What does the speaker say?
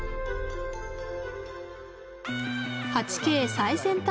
８Ｋ最先端